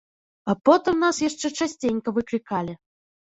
А потым нас яшчэ часценька выклікалі.